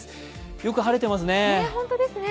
よく晴れていますね。